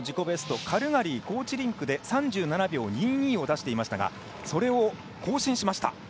ベストカルガリー、高地リンクで３７秒２２を出していましたがそれを更新しました。